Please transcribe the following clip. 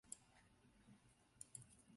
回到家又心血来潮写了一篇文